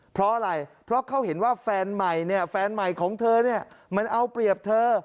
เพราะอะไรเพราะเขาเห็นว่าแฟนใหม่เนี่ยแฟนใหม่ของเธอเนี่ยมันเอาเปรียบเธอ